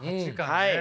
はい。